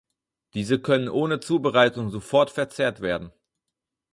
Diese können ohne Zubereitung sofort verzehrt werden.